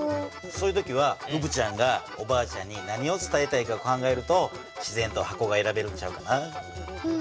そういう時はうぶちゃんがおばあちゃんに何を伝えたいかを考えると自然と箱が選べるんちゃうかな。